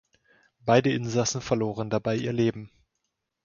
Beide Insassen verloren dabei ihr Leben.